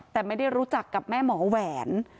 แต่ไม่ได้รู้จักกับแม่หมอแหวน